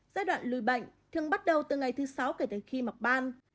giai đoạn lùi bệnh thường bắt đầu từ ngày thứ sáu kể từ khi mọc ban